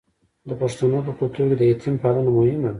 د پښتنو په کلتور کې د یتیم پالنه مهمه ده.